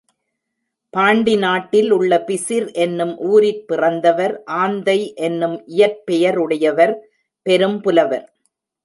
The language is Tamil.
பாண்டி நாட்டில் உள்ள பிசிர் என்னும் ஊரிற் பிறந்தவர் ஆந்தை எனும் இயற்பெயருடையவர் பெரும் புலவர்.